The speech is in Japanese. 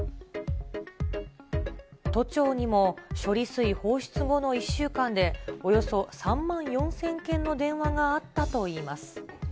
都庁にも、処理水放出後の１週間で、およそ３万４０００件の電話があったといいます。